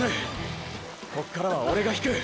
こっからはオレが引く！